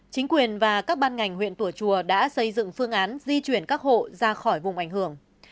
chính quyền và các ban ngành huyện tùa chùa đã xây dựng phương án di chuyển các hộ ra khỏi vùng ảnh hưởng